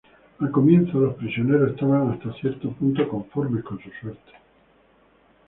Al comienzo los prisioneros estaban hasta cierto punto conformes con su suerte.